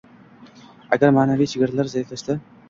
agar ma’naviy chegaralar zaiflashsa